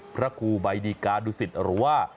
พระครูใบดีกาดุสิตหรือว่า